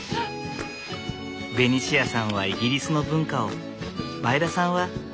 ベニシアさんはイギリスの文化を前田さんは日本の知恵を。